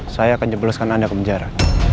saya akan jebloskan anda ke penjara